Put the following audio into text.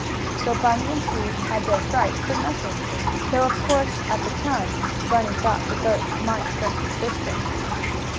So Bunny and Sue had their fright for nothing, though of course, at the time, Bunny thought the goat might hurt his sister.